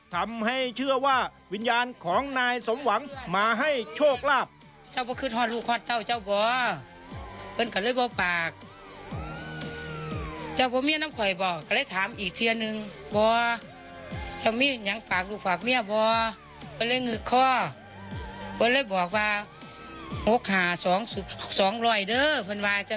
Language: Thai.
ทำให้เชื่อว่าวิญญาณของนายสมหวังมาให้โชคลาภเจ้าบ่อ